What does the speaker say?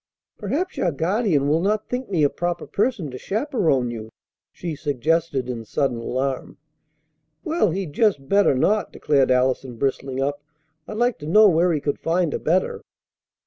"Perhaps your guardian will not think me a proper person to chaperon you," she suggested in sudden alarm. "Well, he'd just better not!" declared Allison, bristling up. "I'd like to know where he could find a better."